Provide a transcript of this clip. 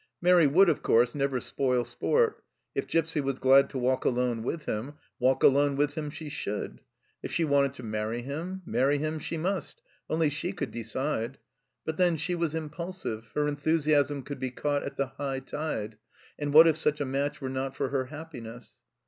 Mairi would, of course, never spoil sport ; if Gipsy was glad to walk alone with him, walk alone with him she should ! If she wanted to marry him, marry him she must ; only she could decide. But then she was impulsive, her enthusiasm could be caught at the high tide, and what if such a match were not for her happiness